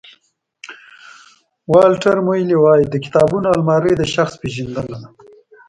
والټر مویلي وایي د کتابونو المارۍ د شخص پېژندنه ده.